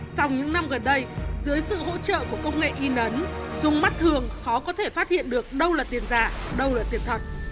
sau những năm gần đây dưới sự hỗ trợ của công nghệ in ấn dung mắt thường khó có thể phát hiện được đâu là tiền giả đâu là tiền thật